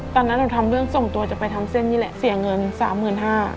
ตอนนั้นเราทำเรื่องส่งตัวจะไปทำเส้นนี่แหละเสียเงิน๓๕๐๐บาท